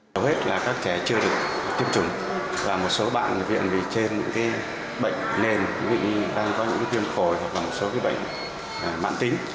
hầu hết là các trẻ chưa được tiêm chủng và một số bạn viện bị trên bệnh nền bị đang có những viêm phổi hoặc một số bệnh mạng tính